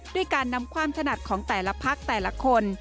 ด้วยการนำความถนัดของแต่ละพักแต่ละคน